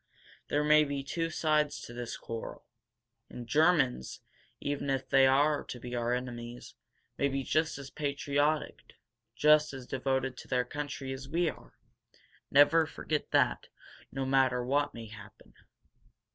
There may be two sides to this quarrel. And Germans, even if they are to be our enemies, may be just as patriotic, just as devoted to their country, as we are. Never forget that, no matter what may happen."